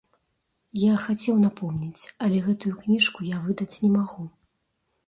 Я хацеў напомніць, але гэту кніжку я выдаць не магу.